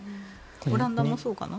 オランダもそうかな。